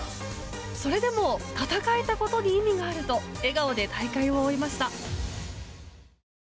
それでも戦えたことに意味があると笑顔で大会を終えました。